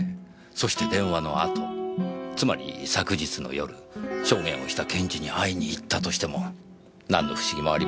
そして電話の後つまり昨日の夜証言をした検事に会いに行ったとしても何の不思議もありませんねぇ。